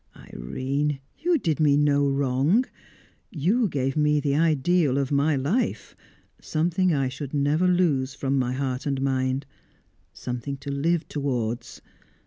Irene, you did me no wrong. You gave me the ideal of my life something I should never lose from my heart and mind something to live towards!